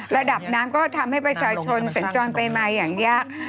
ระดับน้ำก็ทำให้ประชาชนสัญจรไปมาอย่างยาก